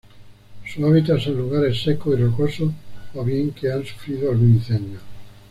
Su hábitat son lugares secos y rocosos o bien que han sufrido algún incendio.